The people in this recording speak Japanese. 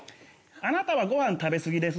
あなたはご飯食べすぎです。